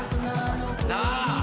なあ。